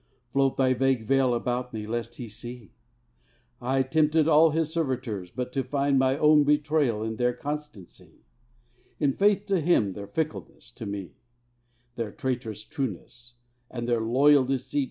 Float thy vague veil about me, lest He see! I tempted all His servitors, but to find My own betrayal in their constancy, In faith to Him their fickleness to me, Their traitorous trueness, and their loyal deceit.